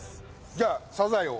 じゃあサザエを。